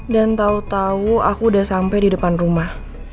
dan tau tau aku udah sampai di depan rumah